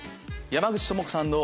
山口智子さんの。